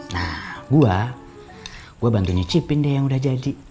nah gua gua bantu nyicipin deh yang udah jadi